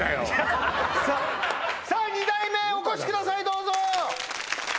さあさあ二代目お越しくださいどうぞ！